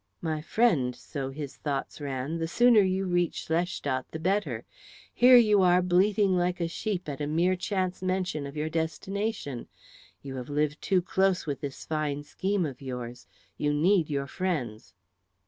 "My friend," so his thoughts ran, "the sooner you reach Schlestadt the better. Here are you bleating like a sheep at a mere chance mention of your destination. You have lived too close with this fine scheme of yours. You need your friends."